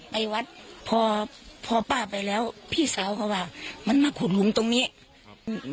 ไปวัดพอพอป้าไปแล้วพี่สาวเขาว่ามันมาขุดหุมตรงนี้ครับ